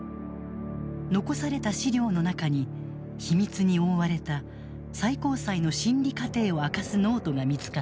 残された資料の中に秘密に覆われた最高裁の審理過程を明かすノートが見つかった。